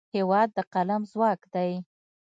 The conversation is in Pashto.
هېواد د قلم ځواک دی.